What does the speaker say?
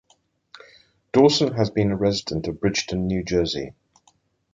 Dawson has been a resident of Bridgeton, New Jersey.